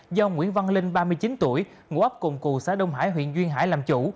do nguyễn văn linh ba mươi chín tuổi ngụ ấp cùng cù xã đông hải huyện duyên hải làm chủ